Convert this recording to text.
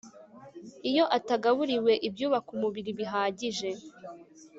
iyo atagaburiwe ibyubaka umubiri bihagije